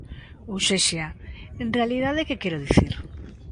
Ou sexa, ¿en realidade que quere dicir?